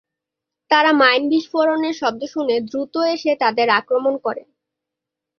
তারা মাইন বিস্ফোরণের শব্দ শুনে দ্রুত এসে তাদের আক্রমণ করে।